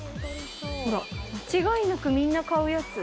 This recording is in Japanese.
ほら、間違いなくみんな買うやつ。